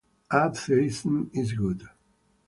Atheism is good.